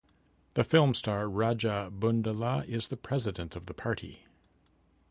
The film star Raja Bundela is the president of the party.